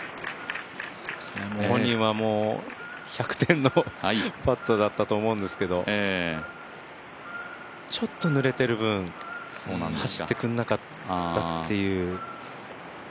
本人は１００点のパットだったと思うんですけどちょっとぬれている分、走ってくれなかったっていう。